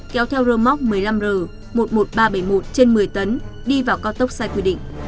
kéo theo rơ móc một mươi năm r một mươi một nghìn ba trăm bảy mươi một trên một mươi tấn đi vào cao tốc sai quy định